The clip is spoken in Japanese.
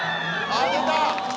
あ、出た！